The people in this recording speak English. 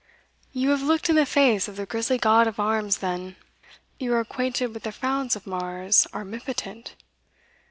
you have looked in the face of the grisly god of arms then? you are acquainted with the frowns of Mars armipotent?